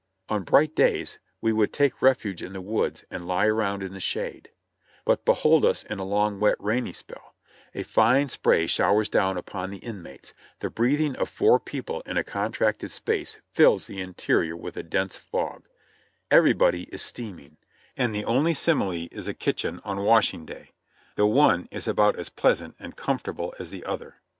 On bright days we would take refuge in the woods and lie around in the shade ; but behold us in a long, wet, rainy spell ; a fine spray showers down upon the inmates, the breathing of four people in a contracted space fills the interior with a dense fog; everybody is steaming, and the only simile is a kitchen on washing day; the one is about as pleasant and comfortable as the other.